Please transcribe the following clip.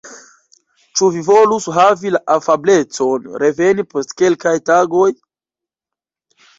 Ĉu vi volus havi la afablecon reveni post kelkaj tagoj?